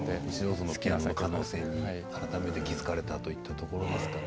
可能性に改めて気付かれたというところですかね。